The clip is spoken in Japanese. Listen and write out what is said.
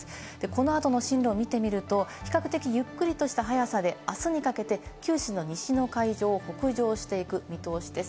この後の進路を見てみると、比較的ゆっくりとした速さで、あすにかけて九州の西の海上を北上していく見通しです。